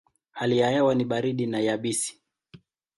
Hali ya hewa ni baridi na yabisi.